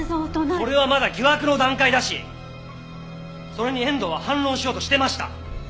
それはまだ疑惑の段階だしそれに遠藤は反論しようとしてました！